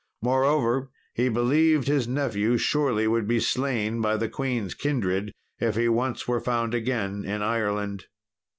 Moreover, he believed his nephew surely would be slain by the queen's kindred if he once were found again in Ireland.